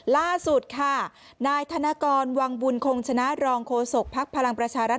ล่าสุดค่ะนายธนกรวังบุญคงชนะรองโฆษกภักดิ์พลังประชารัฐ